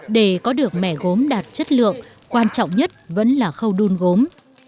để có được mẻ gốm đạt chất lượng quan trọng nhất vẫn là khâu đun gốm